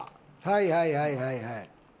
はいはいはいはいはい。